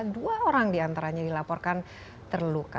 dua orang diantaranya dilaporkan terluka